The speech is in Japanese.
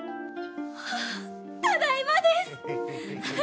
ただいまです！